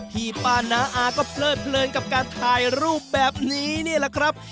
พี่ป้าน้าอาก็เพลิดเพลินกับการถ่ายรูปแบบนี้นี่แหละครับ